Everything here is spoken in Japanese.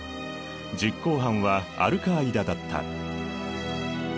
実行犯はアルカーイダだった。